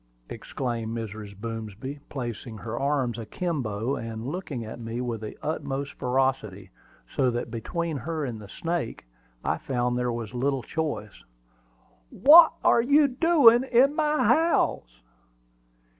exclaimed Mrs. Boomsby, placing her arms akimbo, and looking at me with the utmost ferocity, so that between her and the snake I found there was little choice. "What are you a doin' in my house?"